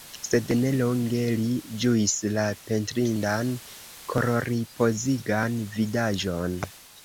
Sed ne longe li ĝuis la pentrindan, kororipozigan vidaĵon.